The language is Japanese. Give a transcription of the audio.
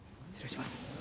失礼します。